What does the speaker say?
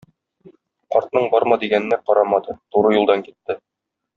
Картның барма дигәненә карамады, туры юлдан китте.